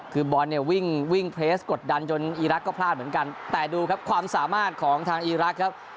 คือบอลเนี่ยวิ่งวิ่งเพลสกดดันจนอีรักษ์ก็พลาดเหมือนกันแต่ดูครับความสามารถของทางอีรักษ์ครับ